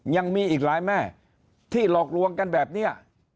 ยังมีอีกหลายแม่ที่หลอกลวงกันแบบนี้